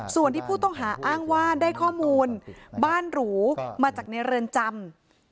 ส่วนที่ผู้ต้องหาอ้างว่าได้ข้อมูลบ้านหรูมาจากในเรือนจำ